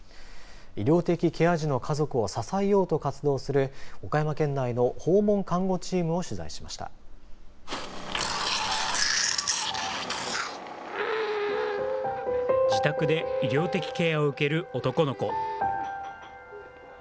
医療的ケア児の家族を支えようと活動する岡山県内の訪問看護チームを自宅で医療的ケアを受ける男の子。